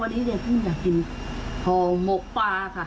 วันนี้กุ้งอยากกินพอหมกปลาค่ะ